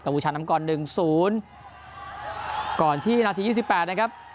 บูชานำก่อนหนึ่งศูนย์ก่อนที่นาทียี่สิบแปดนะครับ